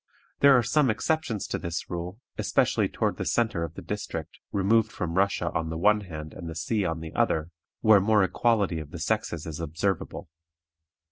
There are some exceptions to this rule, especially toward the centre of the district, removed from Russia on the one hand and the sea on the other, where more equality of the sexes is observable.